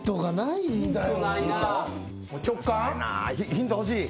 ヒント欲しい？